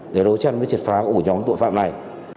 để đối tranh với triệt phá của nhóm tội phạm này